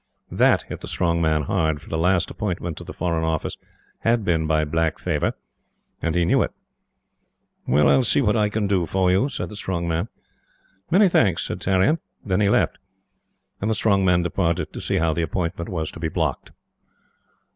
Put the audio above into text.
That hit the Strong Man hard, for the last appointment to the Foreign Office had been by black favor, and he knew it. "I'll see what I can do for you," said the Strong Man. "Many thanks," said Tarrion. Then he left, and the Strong Man departed to see how the appointment was to be blocked.